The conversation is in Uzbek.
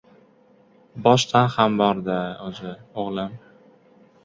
— Boshdan ham bor-da, o‘zi, o‘g’lim.